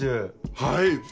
はい！